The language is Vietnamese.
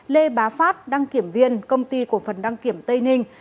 lê bá phát đăng kiểm viên công ty của phần đăng kiểm tây ninh